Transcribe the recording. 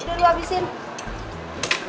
udah lu abisin